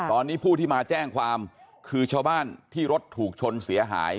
ตอนนี้ผู้ที่มาแจ้งความคือชาวบ้านที่รถถูกชนเสียหาย